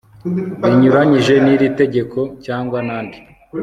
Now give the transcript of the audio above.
binyuranyije n iri tegeko cyangwa n andi